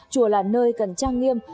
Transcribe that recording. chùa là nơi cần trang nghiêm